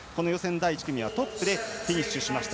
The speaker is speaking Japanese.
第１組はトップでフィニッシュしました。